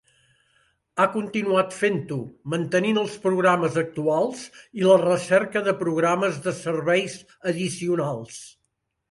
Ha continuat fent-ho, mantenint els programes actuals, i la recerca de programes de serveis addicionals.